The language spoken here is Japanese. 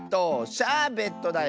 「シャーベット」だよ！